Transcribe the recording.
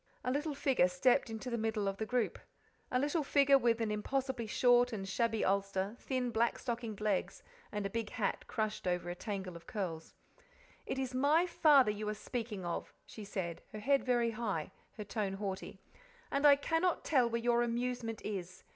A little figure stepped into the middle of the group a little figure with an impossibly short and shabby ulster, thin black stockinged legs, and a big hat crushed over a tangle of curls. "It is my father you are speaking of," she said, her head very high, her tone haughty, "and I cannot tell where your amusement is.